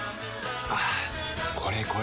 はぁこれこれ！